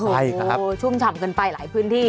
โอ้โฮชุ่มฉ่ำกันไปหลายพื้นที่